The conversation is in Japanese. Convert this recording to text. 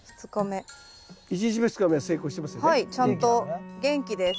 ちゃんと元気です。